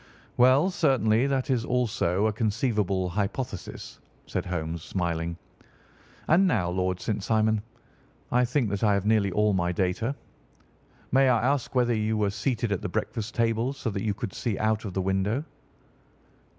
"Well, certainly that is also a conceivable hypothesis," said Holmes, smiling. "And now, Lord St. Simon, I think that I have nearly all my data. May I ask whether you were seated at the breakfast table so that you could see out of the window?"